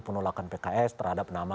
penolakan pks terhadap nama